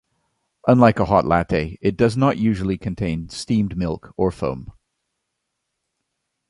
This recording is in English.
Unlike a hot latte, it does not usually contain steamed milk or foam.